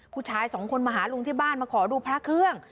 ผู้ชายสองคนมาหาลุงที่บ้านมาขอดูพระเครื่อง